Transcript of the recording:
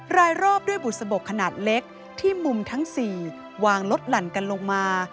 รายรอบด้วยบุษบกขนาดเล็กที่มุมทั้ง๔วางลดหลั่นกันลงมา